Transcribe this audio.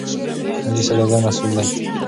ملي سوداګر مسئول دي.